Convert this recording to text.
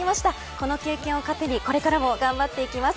この経験を糧にこれからも頑張っていきます。